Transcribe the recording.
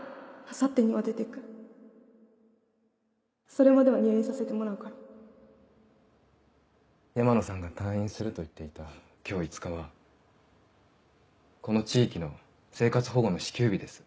明後日には出て行くそれまでは入院させてもらうから山野さんが退院すると言っていた今日５日はこの地域の生活保護の支給日です。